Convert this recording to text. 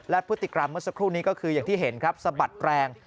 และพฤติกรรมเมื่อสักครู่นี้ก็คืออย่างที่เห็นครับสะบัดแรง